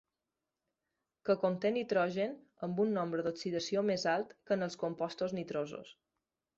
Que conté nitrogen amb un nombre d'oxidació més alt que en els compostos nitrosos.